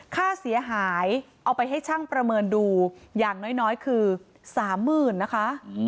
ค่าเสียหายเอาไปให้ช่างประเมินดูอย่างน้อยคือ๓๐๐๐นะคะ